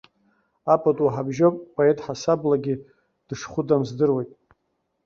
Апату ҳабжьоуп, поет ҳасаблагьы дышхәыдам здыруеит.